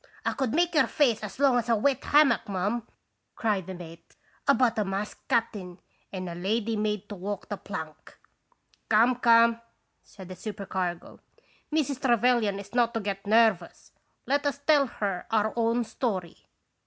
" 1 could make your face as long as a wet hammock, ma'am," cried the mate, " about a masked cap'n, and a lady made to walk the plank." " Come, come," said the supercargo, "Mrs. Trevelyan is not to get nervous. Let us tell her our own story.